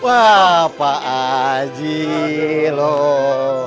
wah pak aji loh